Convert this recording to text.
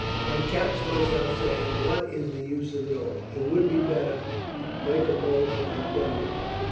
I catch myself saying, what is the use of it all, it would be better make a bolt and have done with it.